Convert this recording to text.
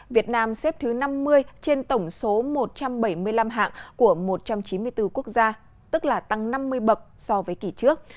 việt nam xếp thứ năm mươi trên tổng số một trăm bảy mươi năm hạng của một trăm chín mươi bốn quốc gia tức là tăng năm mươi bậc so với kỷ trước